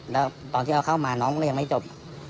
แล้วตอนที่เอาเข้ามาน้องก็ยังไม่จบ